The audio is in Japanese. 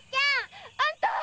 あんたっ！